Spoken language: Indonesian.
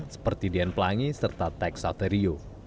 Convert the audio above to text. seperti dian plangi serta tex saterio